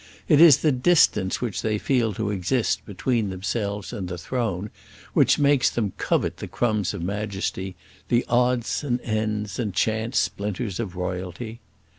It is the distance which they feel to exist between themselves and the throne which makes them covet the crumbs of majesty, the odds and ends and chance splinters of royalty.